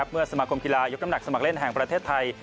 เมื่อสมาคมกีฬายกน้ำหนักสมัครเล่นแห่งประเทศไทย